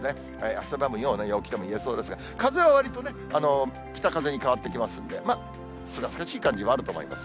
汗ばむような陽気とも言えそうですが、風はわりとね、北風に変わってきますんで、すがすがしい感じはあると思います。